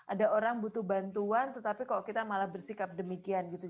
ada orang butuh bantuan tetapi kok kita malah bersikap demikian gitu